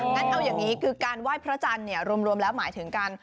งั้นเอาอย่างนี้คือการไหว้พระจันทร์เนี่ยรวมแล้วหมายถึงการ